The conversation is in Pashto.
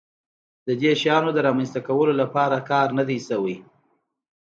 د دې شیانو د رامنځته کولو لپاره کار نه دی شوی.